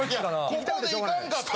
ここで行かんかったら。